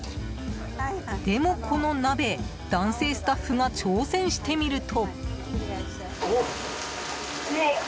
でもこの鍋、男性スタッフが挑戦してみると。